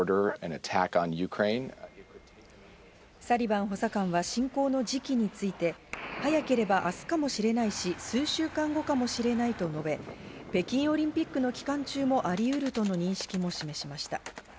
サリバン補佐官は侵攻の時期について早ければ明日かもしれないし、数週間後かもしれないと述べ、北京オリンピックの期間中もありうるとの認識を示しています。